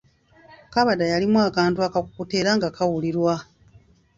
Kabada yalimu akantu akakukuta era nga kawulirwa.